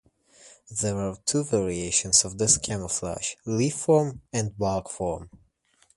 There are two variations of this camouflage: leaf form, and bark form.